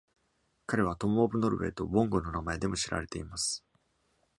彼はトム・オブ・ノルウェーとボンゴの名前でも知られています。